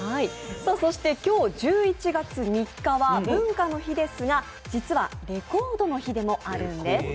そして今日、１１月３日は文化の日ですが、実はレコードの日でもあるんです。